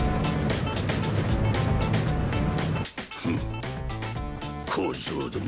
フッ小僧ども